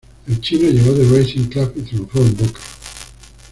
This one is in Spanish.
El Chino llegó de Racing Club y triunfó en Boca.